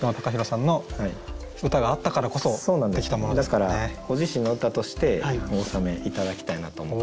だからご自身の歌としてお納め頂きたいなと思って。